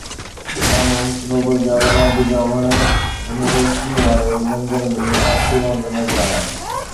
سامهون صنوبر جا وڏا ڊگها وڻ هن روشنيءَ واري منظر ۾ پاڇي وانگر نظر آيا